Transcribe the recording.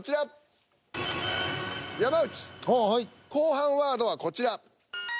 後半ワードはこちら。